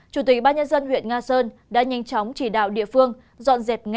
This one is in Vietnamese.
chủ tịch ban nhân dân huyện nga sơn đã nhanh chóng chỉ đạo địa phương